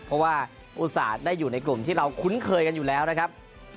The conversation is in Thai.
เพราะว่าอุตส่าห์ได้อยู่ในกลุ่มที่เราคุ้นเคยกันอยู่แล้วนะครับ